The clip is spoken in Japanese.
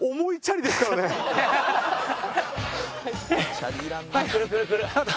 「チャリいらんな」